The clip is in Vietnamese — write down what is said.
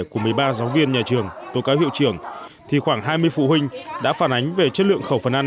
của một mươi ba giáo viên nhà trường tố cáo hiệu trưởng thì khoảng hai mươi phụ huynh đã phản ánh về chất lượng khẩu phần ăn